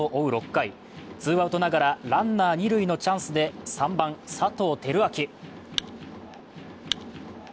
６回、ツーアウトながらランナー二塁のチャンスで、３番・佐藤輝明。